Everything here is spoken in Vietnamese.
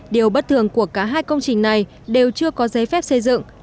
điều bất thường của cả hai công trình này đều chưa có giấy phép xây dựng